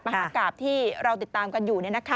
มหากราบที่เราติดตามกันอยู่